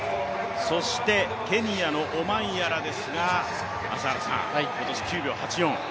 そしてケニアのオマンヤラですが、今年９秒８４。